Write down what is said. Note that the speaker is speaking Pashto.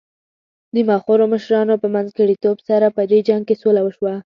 د مخورو مشرانو په منځګړیتوب سره په دې جنګ کې سوله وشوه.